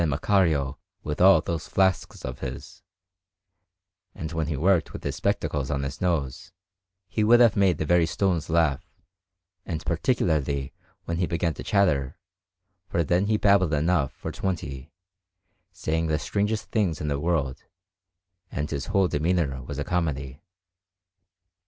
Macario with all those flasks of his; and when he worked with his spectacles on his nose, he would have made the very stones laugh, and particularly when he began to chatter, for then he babbled enough for twenty, saying the strangest things in the world, and his whole demeanour was a comedy.